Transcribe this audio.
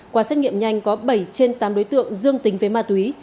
qua xét nghiệm nhanh có bảy trên tám đối tượng dương tính với ma túy